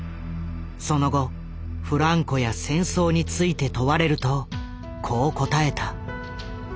その後フランコや戦争について問われるとこう答えた。